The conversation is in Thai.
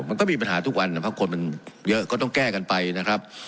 มันก็มีปัญหาทุกวันนะครับคนมันเยอะก็ต้องแก้กันไปนะครับ